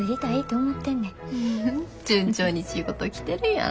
順調に仕事来てるやん。